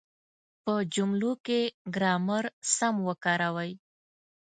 په جملو کې ګرامر سم وکاروئ.